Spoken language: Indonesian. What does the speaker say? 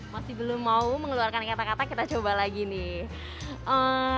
masih belum mau mengeluarkan kata kata kita coba lagi nih